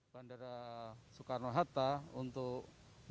bandara soekarno hatta untuk yang karantina